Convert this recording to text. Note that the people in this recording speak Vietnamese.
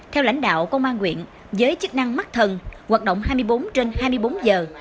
theo lãnh đạo công an quyện với chức năng mắc thần hoạt động hai mươi bốn trên hai mươi bốn giờ